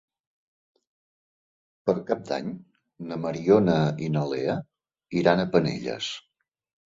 Per Cap d'Any na Mariona i na Lea iran a Penelles.